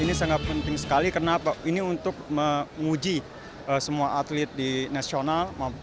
ini sangat penting sekali karena ini untuk menguji semua atlet di nasional